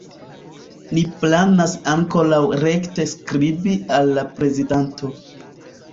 Ni planas ankoraŭ rekte skribi al la prezidanto.